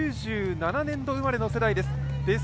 ９７年度生まれの世代です。